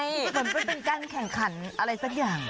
เหมือนเป็นการแข่งขันอะไรสักอย่าง